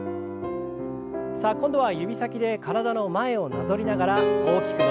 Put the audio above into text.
さあ今度は指先で体の前をなぞりながら大きく伸びをします。